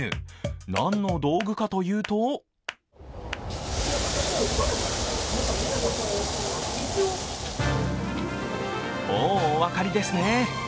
何の道具かというともうお分かりですね。